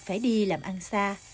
phải đi làm ăn xa